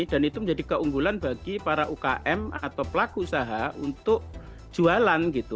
dan itu menjadi keunggulan bagi para ukm atau pelaku usaha untuk jualan gitu